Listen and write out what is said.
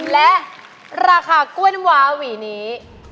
และราคากล้วยน้ำว้าหวีนี้